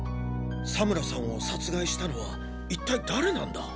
佐村さんを殺害したのは一体誰なんだ！？